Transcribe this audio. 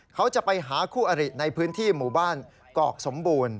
เขาจะไปหาคู่อริในพื้นที่หมู่บ้านกอกสมบูรณ์